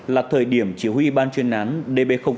là thời điểm chỉ huy ban chuyên án db tám